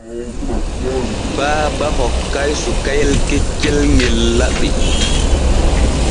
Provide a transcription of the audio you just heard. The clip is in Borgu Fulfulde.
Baaba hokkay sukayel keccel ŋel laɓi.